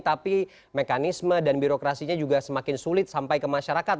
tapi mekanisme dan birokrasinya juga semakin sulit sampai ke masyarakat